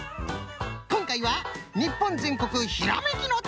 こんかいは日本全国ひらめきの旅